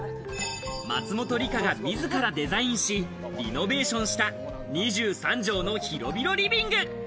松本梨香が自らデザインし、リノベーションした２３畳の広々リビング。